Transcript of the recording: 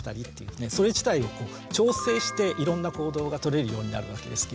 それ自体を調整していろんな行動がとれるようになるわけですけれども。